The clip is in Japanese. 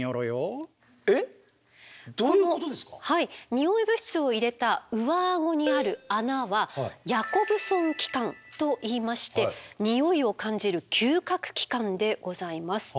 ニオイ物質を入れた上アゴにある穴はヤコブソン器官といいましてニオイを感じる嗅覚器官でございます。